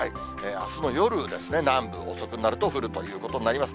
あすの夜ですね、南部、遅くなると降るということになります。